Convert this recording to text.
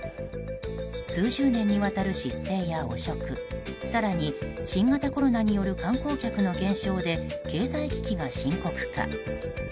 数十年にわたる失政や汚職更に、新型コロナによる観光客の減少で経済危機が深刻化。